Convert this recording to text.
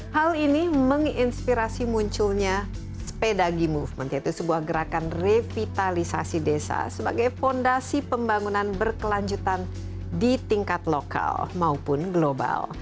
hal ini menginspirasi munculnya spedagi movement yaitu sebuah gerakan revitalisasi desa sebagai fondasi pembangunan berkelanjutan di tingkat lokal maupun global